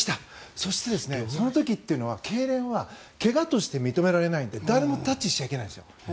そして、その時というのはけいれんは怪我として認められないので誰もタッチしちゃいけないんです。